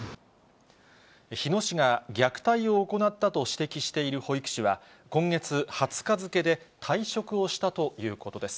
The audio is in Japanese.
日野市が虐待を行ったと指摘している保育士は、今月２０日付で退職をしたということです。